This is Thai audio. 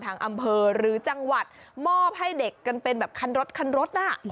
อำเภอหรือจังหวัดมอบให้เด็กกันเป็นแบบคันรถคันรถน่ะ